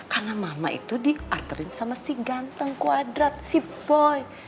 karena mama itu diantarin sama si ganteng kuadrat si boy